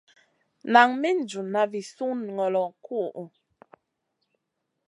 Nan min junʼna vi sùnŋolo kuhʼu.